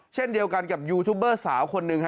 เช่นเดียวกันกับยูทูบเบอร์สาวคนหนึ่ง